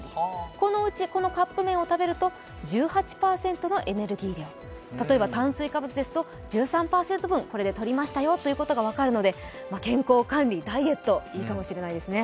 このうち、このカップ麺を食べると１８％のエネルギー量例えば炭水化物ですと１３％分これでとりましたよということが分かるので、健康管理、ダイエットにいいかもしれませんね。